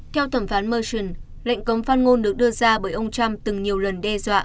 theo thẩm phán merchant lệnh cấm phan ngôn được đưa ra bởi ông trump từng nhiều lần đe dọa